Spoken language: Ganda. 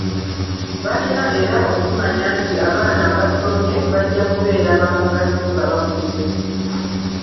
Balina era okukimanya nti abaana abasomye bajja kubeera baamugaso nga bakuze.